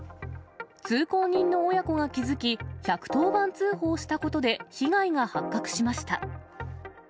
通行人の親子が気付き、１１０番通報したことで、被害が発覚しました。